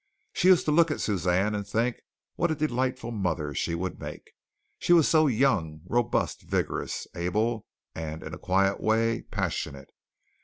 She used to look at Suzanne and think what a delightful mother she would make. She was so young, robust, vigorous, able, and in a quiet way, passionate.